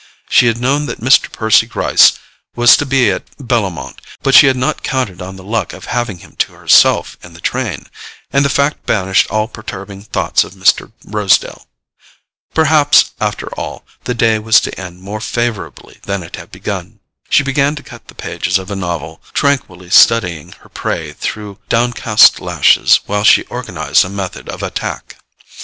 She had known that Mr. Percy Gryce was to be at Bellomont, but she had not counted on the luck of having him to herself in the train; and the fact banished all perturbing thoughts of Mr. Rosedale. Perhaps, after all, the day was to end more favourably than it had begun. She began to cut the pages of a novel, tranquilly studying her prey through downcast lashes while she organized a method of attack.